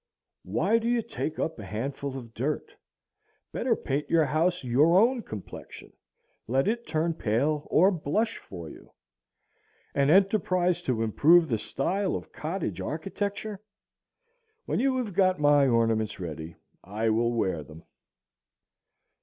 Why do you take up a handful of dirt? Better paint your house your own complexion; let it turn pale or blush for you. An enterprise to improve the style of cottage architecture! When you have got my ornaments ready I will wear them.